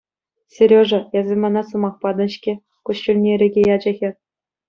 Сережа, эсӗ мана сӑмах патӑн-ҫке, — куҫҫульне ирӗке ячӗ хӗр.